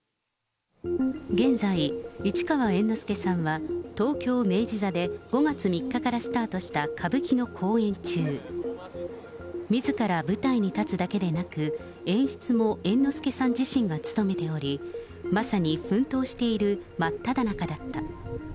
現在、市川猿之助さんは、東京・明治座で５月３日からスタートした歌舞伎の公演中。みずから舞台に立つだけでなく、演出も猿之助さん自身が務めており、まさに奮闘している真っただ中だった。